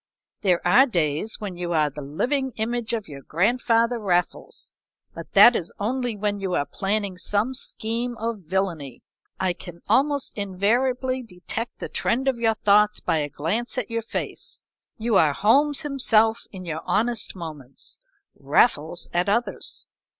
"There are days when you are the living image of your grandfather Raffles, but that is only when you are planning some scheme of villany. I can almost invariably detect the trend of your thoughts by a glance at your face you are Holmes himself in your honest moments, Raffles at others.